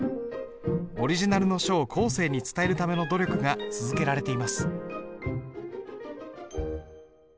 オリジナルの書を後世に伝えるための努力が続けられています。